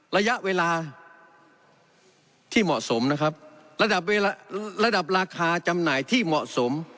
ระยะเวลาที่เหมาะสมนะครับระดับระดับราคาจำหน่ายที่เหมาะสม